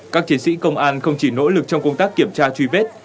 các chiến sĩ công an không chỉ nỗ lực trong công tác kiểm tra truy vết